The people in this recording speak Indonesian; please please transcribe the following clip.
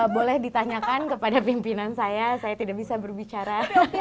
boleh ditanyakan kepada pimpinan saya saya tidak bisa berbicara